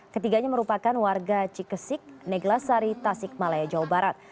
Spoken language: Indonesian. ketiganya merupakan warga cikesik neglasari tasik malaya jawa barat